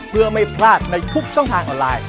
เพื่อไม่พลาดในทุกช่องทางออนไลน์